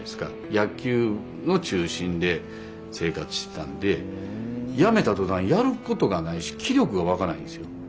野球を中心で生活してたんでやめた途端やることがないし気力が湧かないんですよ。